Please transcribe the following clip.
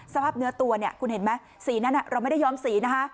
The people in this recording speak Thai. สภาพเนื้อตัวเนี่ยคุณเห็นไหมสีนั้นเราไม่ได้ย้อมสีนะคะ